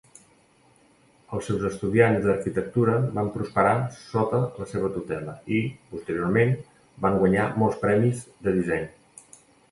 Els seus estudiants d'arquitectura van prosperar sota la seva tutela i, posteriorment, van guanyar molts premis de disseny.